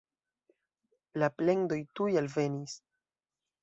La plendoj tuj alvenis.